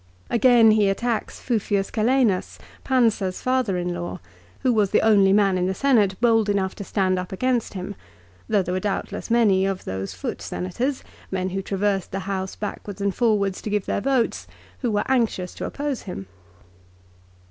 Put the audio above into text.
Again he attacks Fufius Calenus, Pansa's father in law, who was the only man in the Senate bold enough to stand up against him ; though there were doubtless many of those foot Senators, men who traversed the house backwards and forwards to give their votes, who were anxious to oppose him.